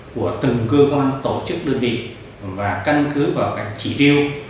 của từng cơ quan tổ chức đơn vị và căn cứ vào các chỉ tiêu